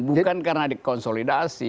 bukan karena dikonsolidasi